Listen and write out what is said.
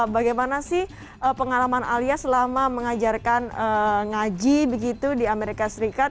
bagaimana pengalaman alia selama mengajarkan ngaji di amerika serikat